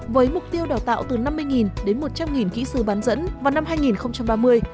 với mục tiêu đào tạo từ năm mươi đến một trăm linh kỹ sư bán dẫn vào năm hai nghìn ba mươi